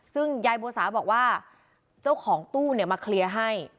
ซึ่งยายบัวสาบอกว่าเจ้าของตู้เนี่ยมาเคลียร์ให้